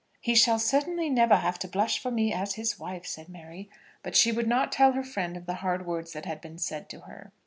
"He shall certainly never have to blush for me as his wife," said Mary. But she would not tell her friend of the hard words that had been said to her.